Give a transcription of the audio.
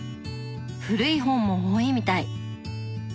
古い本も多いみたい。